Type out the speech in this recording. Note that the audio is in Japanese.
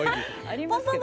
ありますけどね。